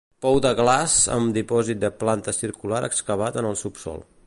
Pou de glaç amb dipòsit de planta circular excavat en el subsòl.